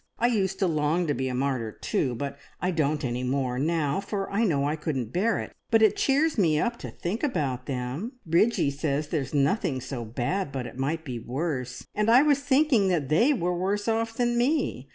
I used to long to be a martyr too, but I don't any more now, for I know I couldn't bear it, but it cheers me up to think about them. Bridgie says there's nothing so bad but it might be worse, and I was thinking that they were worse off than me.